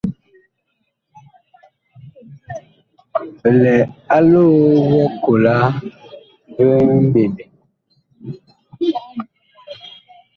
Bi lɛ a loo lʼ ɔkola vi mɓendɛ.